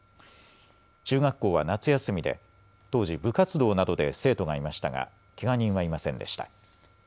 中学校は夏休みで当時、部活動などで生徒がいましたがけが人はいませんでした。